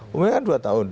bukannya kan dua tahun